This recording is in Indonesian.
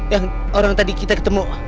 yang orang tadi kita ketemu